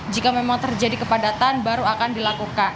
jika memang terjadi kepadatan baru akan dilakukan